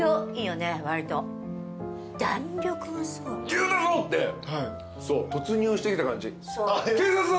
牛だぞ！って突入してきた感じ。